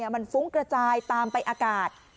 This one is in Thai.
มันฟุ้งกระจายตามไปอากาศ